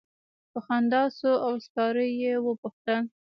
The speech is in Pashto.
په خندا شو او سکاره یې وپوښتل.